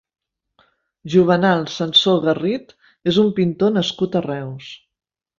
Juvenal Sansó Garrit és un pintor nascut a Reus.